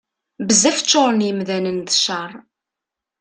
Bezzaf ččuṛen yemdanen d cceṛ.